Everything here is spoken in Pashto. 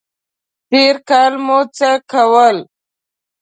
تېر کال مو څه کول؟